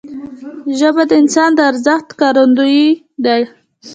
ژبه د انسان د ارزښت ښکارندوی ده